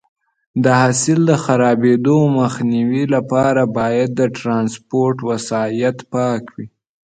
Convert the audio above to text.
د حاصل د خرابېدو مخنیوي لپاره باید د ټرانسپورټ وسایط پاک وي.